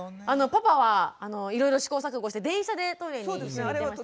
パパはいろいろ試行錯誤して電車でトイレに一緒に行ってましたけど。